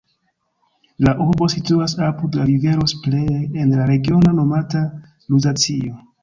La urbo situas apud la rivero Spree en la regiono nomata Luzacio.